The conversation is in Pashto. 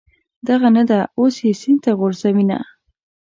دغه نه ده، اوس یې سین ته غورځوینه.